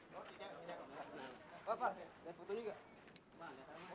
bapak ada foto ini gak